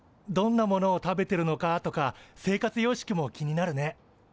どんなものを食べてるのかとか生活様式も気になるね。